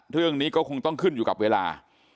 เรื่องนี้ก็คงต้องขึ้นอยู่กับเวลา